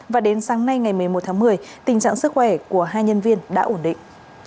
và đến sáng nay ngày một mươi một tháng một mươi tình trạng sức khỏe của hai nhân viên đã ổn định